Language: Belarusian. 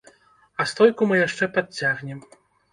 А стойку мы яшчэ падцягнем.